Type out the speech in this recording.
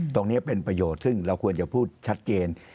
ตรงนี้เป็นประโยชน์ซึ่งเราควรจะพูดชัดเจน